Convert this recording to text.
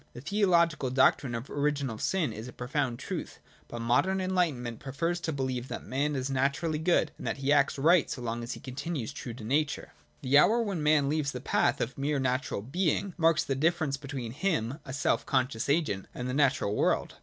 The theological doctrine of original sin is a profound truth ;| but modern enlightenment prefers to believe that man is '■■ naturally good, and that he acts right so long as he continues , true to nature. The hour when man leaves the path of mere natural being marks the diflerence between him, a self conscious agent, and the natural world.